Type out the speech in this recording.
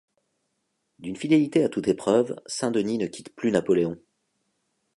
D'une fidélité à toute épreuve, Saint-Denis ne quitte plus Napoléon.